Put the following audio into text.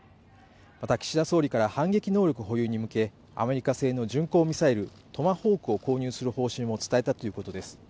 また岸田総理から反撃能力保有に向けアメリカ製の巡航ミサイルトマホークを購入する方針も伝えたということです